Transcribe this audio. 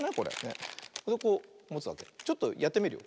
ちょっとやってみるよ。